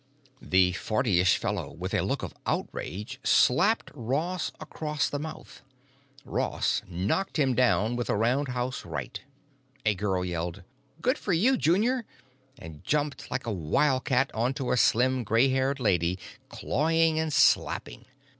The fortyish fellow, with a look of outrage, slapped Ross across the mouth. Ross knocked him down with a roundhouse right. A girl yelled, "Good for you, Junior!" and jumped like a wildcat onto a slim, gray haired lady, clawing, and slapping.